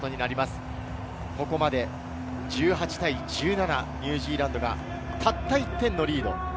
ここまで１８対１７、ニュージーランドがたった１点のリード。